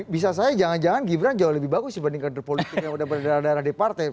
bisa saya jangan jangan gibran jauh lebih bagus dibandingkan kandar politik yang berada di daerah partai